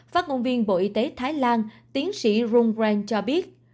phát ngôn viên bộ y tế thái lan tiến sĩ rung rang cho biết